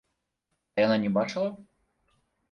А яна не бачыла?